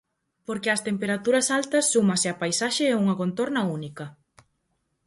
Porque as temperaturas altas súmase á paisaxe e unha contorna única.